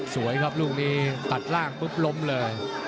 สวยครับลูกนี้ตัดล่างปุ๊บล้มเลย